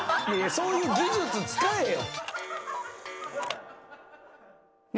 そういう技術使えよ。